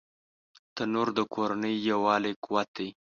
تنور د کورنۍ د یووالي قوت دی